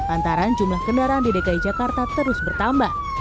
antara jumlah kendaraan di dki jakarta terus bertambah